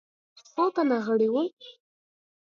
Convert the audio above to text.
څو تنه غړي وه.